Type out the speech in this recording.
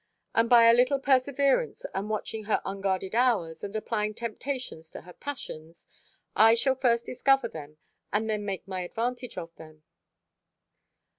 And by a little perseverance, and watching her unguarded hours, and applying temptations to her passions, I shall first discover them, and then make my advantage of them."